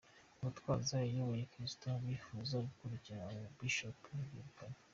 Gitwaza yabohoye abakristo bifuza gukurikira aba Bishops yirukanye.